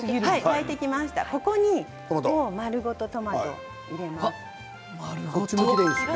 沸いてきたら、ここに丸ごとトマトを入れます。